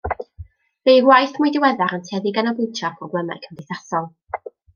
Bu ei waith mwy diweddar yn tueddu i ganolbwyntio ar broblemau cymdeithasol.